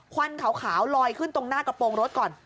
ควันขาวลอยขึ้นตรงหน้ากระโปรงรถก่อน